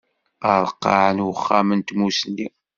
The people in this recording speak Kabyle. Areqqeɛ n Uxxam n Tmusni.